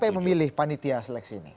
siapa yang memilih panitia seleksi ini